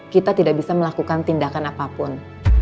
kita tidak bisa melakukan tindakan apapun